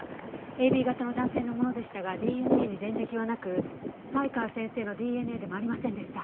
ＡＢ型の男性のものでしたがＤＮＡに前歴はなく才川先生のＤＮＡでもありませんでした。